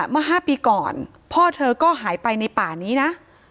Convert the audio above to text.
เมื่อ๕ปีก่อนพ่อเธอก็หายไปในป่านี้นะ